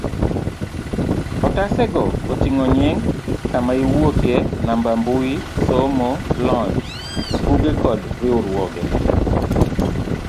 otase go oting'o nying, kama iwuokie, namba mbui, somo, lony, buge kod riwruoge